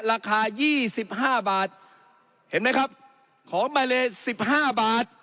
ราคายี่สิบห้าบาทเห็นไหมครับของมาเลสิบห้าบาท